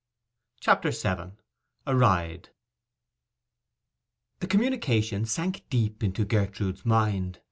CHAPTER VII—A RIDE The communication sank deep into Gertrude's mind.